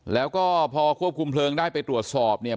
แล้วก็พอควบคุมเพลิงได้ไปตรวจสอบเนี่ย